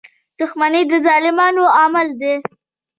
• دښمني د ظالمانو عمل دی.